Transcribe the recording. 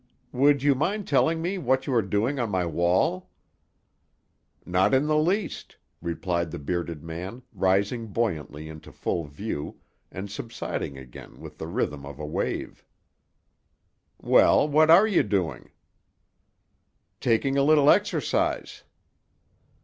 "Would you mind telling me what you are doing on my wall." "Not in the least," replied the bearded man, rising buoyantly into full view, and subsiding again with the rhythm of a wave. "Well, what are you doing?" "Taking a little exercise."